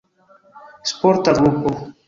Sporta grupo.